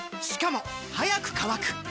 しかも速く乾く！